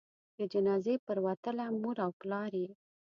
د جنازې پروتله؛ مور او پلار یې